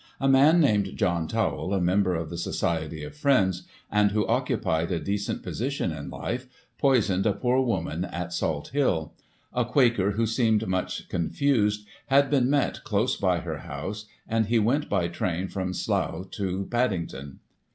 A man named John Tawell, a member of the Society of Friends, and who occupied a decent position in life, poisoned a poor woman at Salt Hill. A Quaker who seemed much confused had been met close by her House, and he went by train from Slough to Paddington.